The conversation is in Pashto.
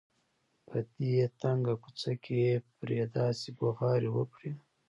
په دې تنګه کوڅه کې یې پرې داسې بغارې وکړې.